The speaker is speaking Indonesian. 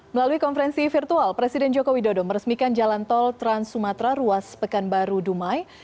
melalui konferensi virtual presiden joko widodo meresmikan jalan tol trans sumatera ruas pekanbaru dumai